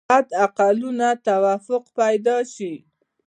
حد اقلونو توافق پیدا شي.